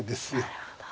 なるほど。